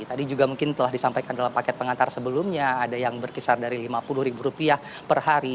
tadi juga mungkin telah disampaikan dalam paket pengantar sebelumnya ada yang berkisar dari lima puluh ribu rupiah per hari